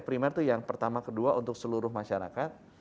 primer itu yang pertama kedua untuk seluruh masyarakat